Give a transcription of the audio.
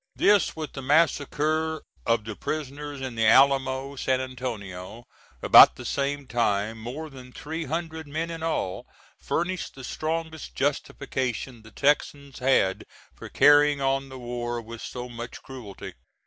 This, with the massacre of the prisoners in the Alamo, San Antonio, about the same time, more than three hundred men in all, furnished the strongest justification the Texans had for carrying on the war with so much cruelty.